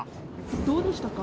どうでしたか？